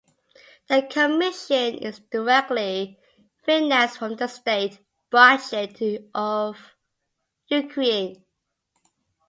The Commission is directly financed from the state budget of Ukraine.